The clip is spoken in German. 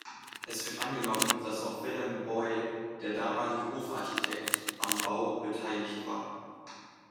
Es wird angenommen, dass auch Willem Boy, der damalige Hofarchitekt, am Bau beteiligt war.